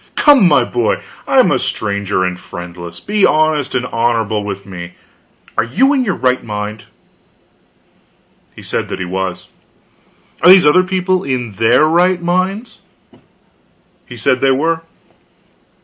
Come, my boy, I am a stranger and friendless; be honest and honorable with me. Are you in your right mind?" He said he was. "Are these other people in their right minds?" He said they were.